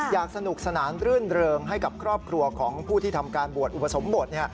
อยากสนุกสนานรื่นเริงให้กับครอบครัวของผู้ที่ทำการบวชอุปสมบท